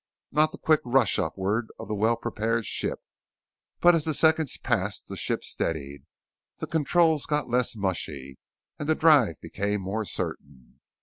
Not the quick rush upwards of the well prepared ship. But as the seconds passed the ship steadied, the controls got less mushy, and the drive became more certain.